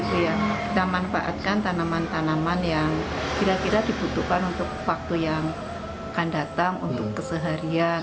kita manfaatkan tanaman tanaman yang kira kira dibutuhkan untuk waktu yang akan datang untuk keseharian